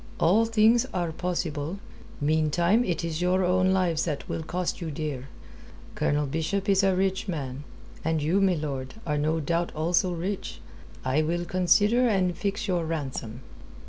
All things are possible. Meantime it is your own lives that will cost you dear. Colonel Bishop is a rich man; and you, milord, are no doubt also rich. I will consider and fix your ransom."